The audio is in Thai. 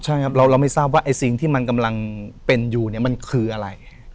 ใช่ครับเราไม่ทราบว่าไอ้สิ่งที่มันกำลังเป็นอยู่เนี่ยมันคืออะไร